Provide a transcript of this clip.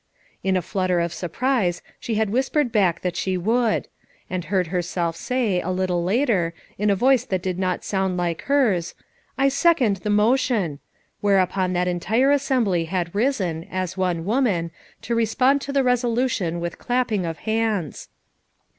In a flutter of surprise she had whispered hack that she would; and heard herself say, a little later, in a voice that did not sound like hers, "I second the motion," whereupon that entire assembly had risen, as one woman, to respond to the resolution with clapping of hands.